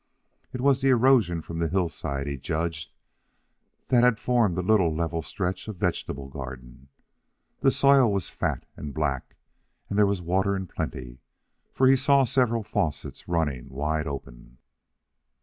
It was the erosion from this hillside, he judged, that had formed the little level stretch of vegetable garden. The soil was fat and black, and there was water in plenty, for he saw several faucets running wide open.